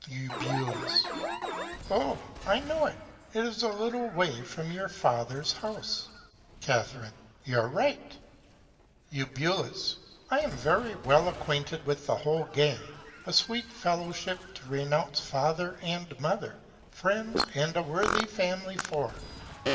Eu. Oh! I know it, it is a little Way from your Father's House. Ca. You're right. Eu. I am very well acquainted with the whole Gang. A sweet Fellowship to renounce Father and Mother, Friends, and a worthy Family for!